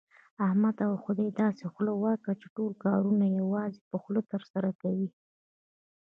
احمد ته خدای داسې خوله ورکړې، چې ټول کارونه یوازې په خوله ترسره کوي.